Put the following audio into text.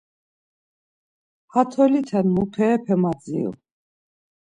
Ham tolite muperepe madziru.